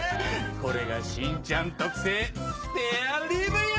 これがしんちゃん特製スペアリブよ！